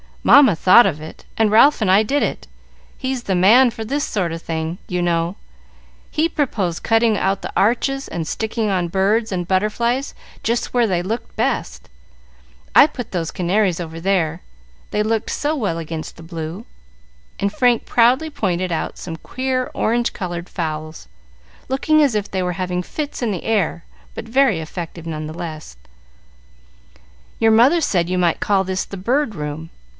"Mamma thought of it, and Ralph and I did it. He's the man for this sort of thing, you know. He proposed cutting out the arches and sticking on birds and butterflies just where they looked best. I put those canaries over there, they looked so well against the blue;" and Frank proudly pointed out some queer orange colored fowls, looking as if they were having fits in the air, but very effective, nevertheless. "Your mother said you might call this the Bird Room.